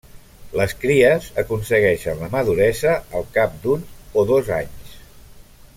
Les cries aconsegueixen la maduresa al cap d'un o dos anys.